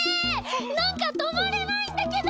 なんかとまらないんだけど！